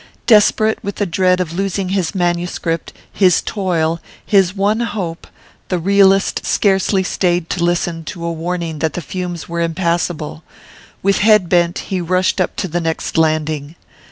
Desperate with the dread of losing his manuscript, his toil, his one hope, the realist scarcely stayed to listen to a warning that the fumes were impassable; with head bent he rushed up to the next landing.